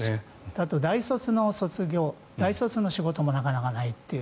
あと大卒の仕事もなかなかないという。